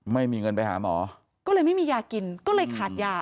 ไม่มีเงินไปหาหมอก็เลยไม่มียากินก็เลยขาดยา